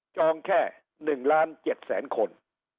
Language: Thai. จองแค่หนึ่งล้านเจ็ดแสนคน